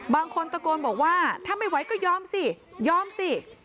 บางคนตะโกนบอกว่าถ้าไม่ไหวก็ยอมสิยอมสิ